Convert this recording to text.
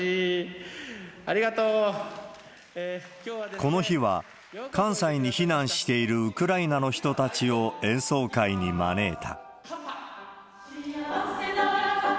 この日は、関西に避難しているウクライナの人たちを演奏会に招いた。